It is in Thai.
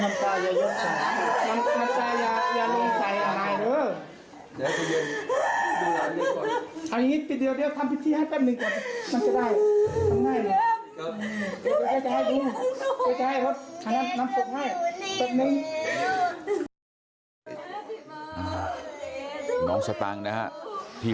ต่างเกียจเดียวเที่ยวข้างผิดที่ให้แป